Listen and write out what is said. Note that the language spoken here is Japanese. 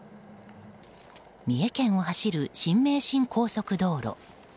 三重県を走る新名神高速道路。